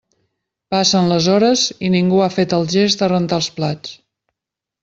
Passen les hores i ningú ha fet el gest de rentar els plats.